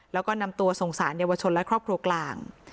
แล้วก็นำตัวส่งสารเยาวชนและครอบครัวกลาง